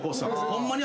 ホントに？